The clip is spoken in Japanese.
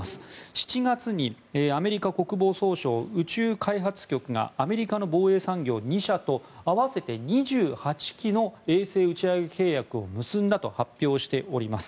７月にアメリカ国防総省宇宙開発局がアメリカの防衛産業２社と合わせて２８機の衛星打ち上げ契約を結んだと発表しております。